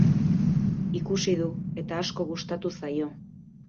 Ikusi du, eta asko gustatu zaio.